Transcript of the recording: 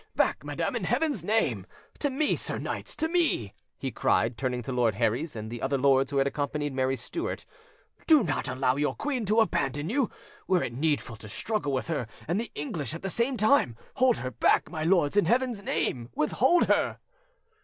Back; madam, in Heaven's name! To me, sir knights, to me!" he cried, turning to Lord Herries and the other lords who had accompanied Mary Stuart; "do not allow your queen to abandon you, were it needful to struggle with her and the English at the same time. Hold her back, my lords, in Heaven's name! withhold her!"